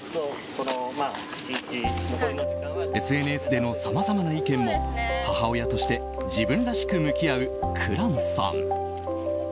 ＳＮＳでのさまざまな意見も母親として自分らしく向き合う、紅蘭さん。